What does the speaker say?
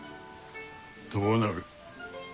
どうなる？